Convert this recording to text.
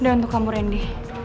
udah untuk kamu rendhi